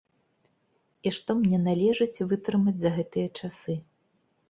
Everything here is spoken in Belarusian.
І што мне належыць вытрымаць за гэтыя часы!